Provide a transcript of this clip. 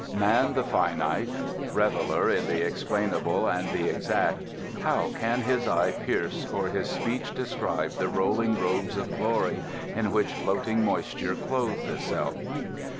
Man the finite, reveller in the explainable and the exact, how can his eye pierce or his speech describe the rolling robes of glory in which floating moisture clothes itself!